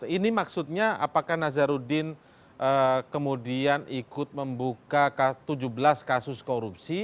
ini maksudnya apakah nazarudin kemudian ikut membuka tujuh belas kasus korupsi